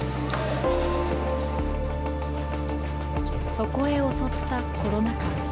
そこへ襲ったコロナ禍。